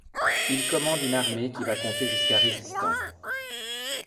Il commande une armée qui va compter jusqu’à résistants.